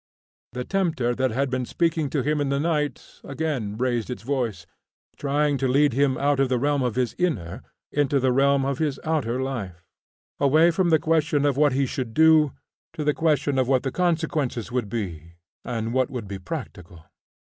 The tempter that had been speaking to him in the night again raised its voice, trying to lead him out of the realm of his inner into the realm of his outer life, away from the question of what he should do to the question of what the consequences would be, and what would be practical.